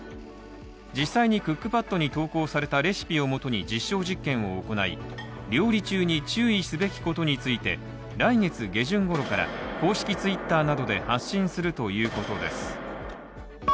実際にクックパッドに投稿されたレシピをもとに実証実験を行い料理中に注意すべきことについて来月下旬頃から公式Ｔｗｉｔｔｅｒなどで発信するということです。